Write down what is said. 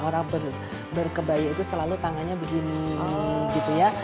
orang berkebaya itu selalu tangannya begini gitu ya